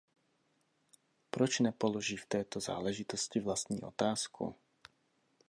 Proč nepoloží v této záležitosti vlastní otázku?